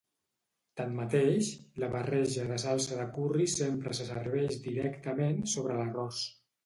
Tanmateix, la barreja de salsa de curri sempre se serveix directament sobre l'arròs.